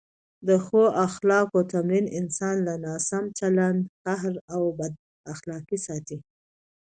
د ښو اخلاقو تمرین انسان له ناسم چلند، قهر او بد اخلاقۍ ساتي.